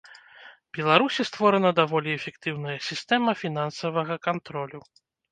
Беларусі створана даволі эфектыўная сістэма фінансавага кантролю.